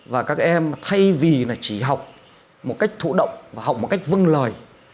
và các em thay vì chỉ học một cách thủ động và học một cách vâng lời